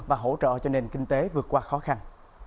và hỗ trợ cho nền kinh tế vượt qua khó khăn